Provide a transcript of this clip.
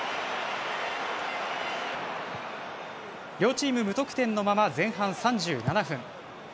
両チーム無得点のまま前半３７分。